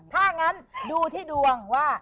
ถ้างั้นดูที่ดวงว่า